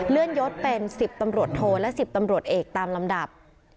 เลื่อนยศเป็น๑๐ตำรวจโทและ๑๐ตำรวจเอกตามลำดับ